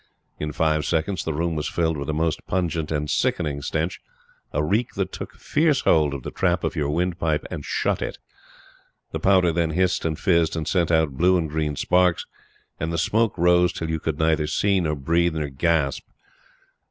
In five seconds the room was filled with a most pungent and sickening stench a reek that took fierce hold of the trap of your windpipe and shut it. The powder then hissed and fizzed, and sent out blue and green sparks, and the smoke rose till you could neither see, nor breathe, nor gasp.